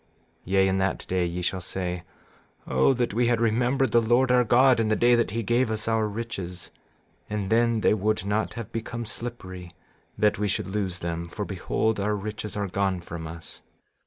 Yea, in that day ye shall say: O that we had remembered the Lord our God in the day that he gave us our riches, and then they would not have become slippery that we should lose them; for behold, our riches are gone from us.